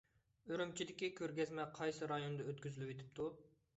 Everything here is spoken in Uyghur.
ئۈرۈمچىدىكى كۆرگەزمە قايسى رايوندا ئۆتكۈزۈلۈۋېتىپتۇ؟